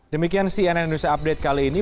demikian cnn indonesia update kali ini